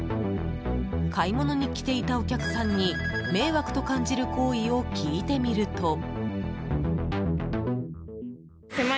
買い物に来ていたお客さんに迷惑と感じる行為を聞いてみると。